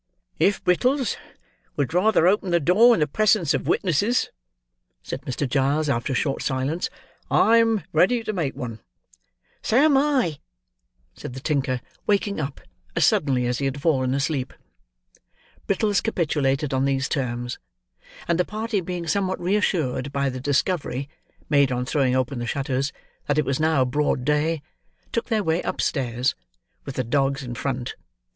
"If Brittles would rather open the door, in the presence of witnesses," said Mr. Giles, after a short silence, "I am ready to make one." "So am I," said the tinker, waking up, as suddenly as he had fallen asleep. Brittles capitulated on these terms; and the party being somewhat re assured by the discovery (made on throwing open the shutters) that it was now broad day, took their way upstairs; with the dogs in front.